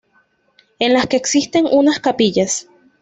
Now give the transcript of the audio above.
En las que existen unas capillas.